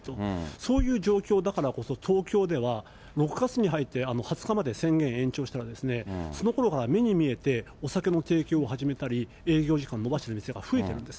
そういう状況だからこそ、東京では、６月に入って、２０日まで宣言延長したら、そのころから目に見えて、お酒の提供を始めたり、営業時間延ばしてる店が増えてるんです。